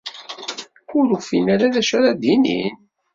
Ur ufin ara d acu ara d-inin?